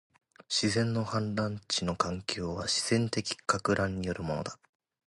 自然の氾濫地の環境は、自然的撹乱によるものだ